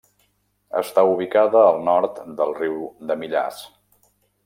Està ubicada al nord del riu de Millars.